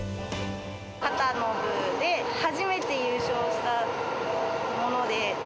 形の部で初めて優勝したもので。